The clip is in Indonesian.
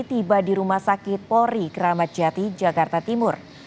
tiba di rumah sakit polri keramat jati jakarta timur